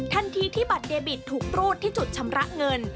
ทันทีที่บัตรเดบิตถูกรูดที่จุดชำระเงิน